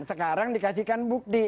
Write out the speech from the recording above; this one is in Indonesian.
sekarang dikasihkan bukti